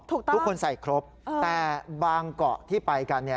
ทุกคนใส่ครบแต่บางเกาะที่ไปกัน